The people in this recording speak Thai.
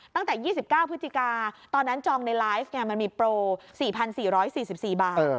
ตั้งแต่๒๙พฤศจิกาตอนนั้นจองในไลฟ์ไงมันมีโปร๔๔๔๔บาท